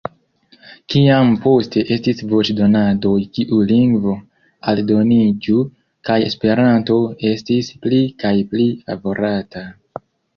Kiam poste estis voĉdonadoj, kiu lingvo aldoniĝu, kaj Esperanto estis pli kaj pli favorata...